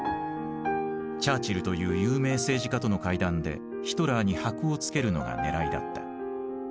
チャーチルという有名政治家との会談でヒトラーにはくを付けるのがねらいだった。